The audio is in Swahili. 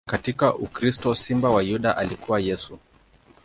Katika ukristo, Simba wa Yuda alikuwa Yesu.